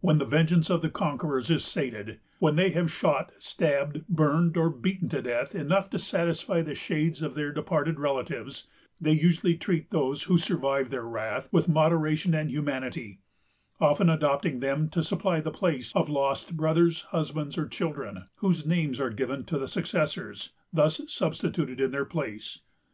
When the vengeance of the conquerors is sated; when they have shot, stabbed, burned, or beaten to death, enough to satisfy the shades of their departed relatives, they usually treat those who survive their wrath with moderation and humanity; often adopting them to supply the place of lost brothers, husbands, or children, whose names are given to the successors thus substituted in their place.